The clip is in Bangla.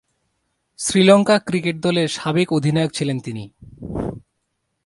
শ্রীলঙ্কা ক্রিকেট দলের সাবেক অধিনায়ক ছিলেন তিনি।